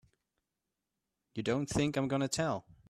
You don't think I'm gonna tell!